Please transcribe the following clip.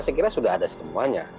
saya kira sudah ada semuanya